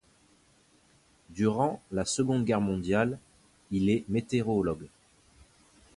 Durant la Seconde Guerre mondiale, il est météorologue.